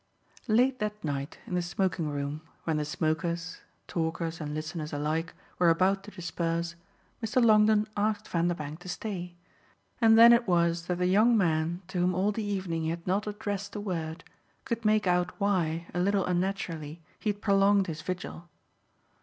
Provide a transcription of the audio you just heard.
V Late that night, in the smoking room, when the smokers talkers and listeners alike were about to disperse, Mr. Longdon asked Vanderbank to stay, and then it was that the young man, to whom all the evening he had not addressed a word, could make out why, a little unnaturally, he had prolonged his vigil.